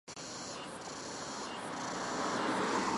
汤阴县是中国河南省安阳市下属的一个县。